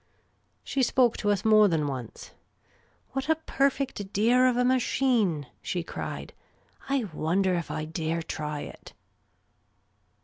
She spoke to us more than once :" What a perfect dear of a machine !" she cried. " I wonder if I dare try it